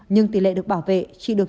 nhưng tỉ lệ được bảo vệ chỉ được chín mươi